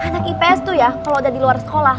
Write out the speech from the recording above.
anak ips tuh ya kalau udah di luar sekolah